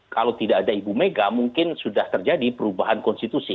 kalau tidak ada ibu mega mungkin sudah terjadi perubahan konstitusi